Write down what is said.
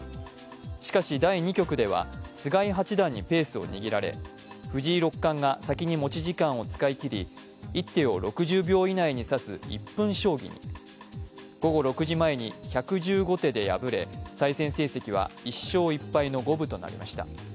しかし、第２局では菅井八段にペースを握られ、藤井六冠が先に持ち時間を使い切り一手を６０秒以内に指す１分将棋に午後６時前に１１５手で敗れ対戦成績は１勝１敗の五分となりました。